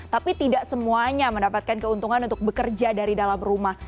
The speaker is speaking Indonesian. tapi tidak semuanya mendapatkan keuntungan untuk bekerja dari dalam rumah